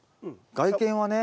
外見はね。